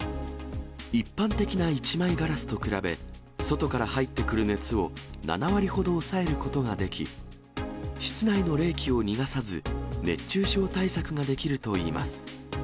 一般的な１枚ガラスと比べ、外から入ってくる熱を７割ほど抑えることができ、室内の冷気を逃がさず、熱中症対策ができるといいます。